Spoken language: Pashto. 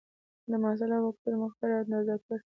د محصله وکتور مقدار اندازه کړئ.